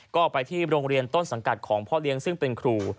ก็ไปที่โรงเรียนต้นสังกัดของพ่อเลี้ยงซึ่งเป็นครู